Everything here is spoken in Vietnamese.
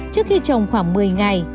trước khi trồng khoảng một mươi ngày